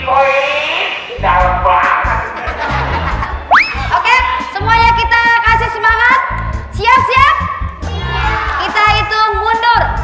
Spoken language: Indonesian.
oke semuanya kita kasih semangat siap siap kita itu mundur tiga dua